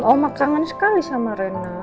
oma kangen sekali sama rena